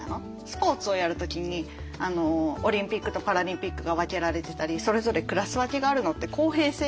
スポーツをやる時にオリンピックとパラリンピックが分けられてたりそれぞれクラス分けがあるのって公平性ですよね。